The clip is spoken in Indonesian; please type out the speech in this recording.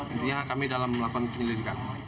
intinya kami dalam melakukan penyelidikan